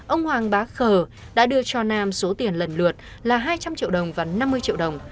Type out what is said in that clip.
ông hoàng bá khờ đã đưa cho nam số tiền lần lượt là hai trăm linh triệu đồng và năm mươi triệu đồng